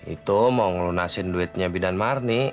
itu mau ngelunasin duitnya bidan marni